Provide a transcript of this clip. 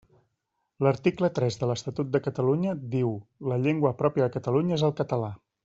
L'article tres de l'Estatut de Catalunya diu “La llengua pròpia de Catalunya és el català”.